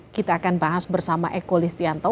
kita akan bahas bersama eko listianto